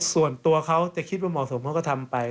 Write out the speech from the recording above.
ส่วนตัวเขาจะคิดว่าเหมาะสมเขาก็ทำไป